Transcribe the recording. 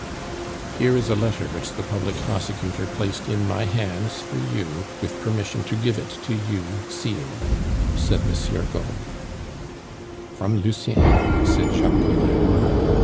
"Here is a letter which the public prosecutor placed in my hands for you, with permission to give it to you sealed," said Monsieur Gault. "From Lucien?" said Jacques Collin.